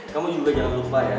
kamu juga jangan lupa ya